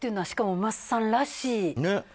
しかも、桝さんらしい。